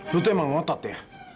lu tuh emang ngotot ya